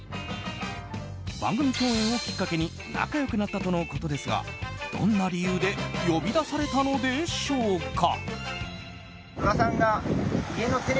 番組共演をきっかけに仲良くなったとのことですがどんな理由で呼び出されたのでしょうか。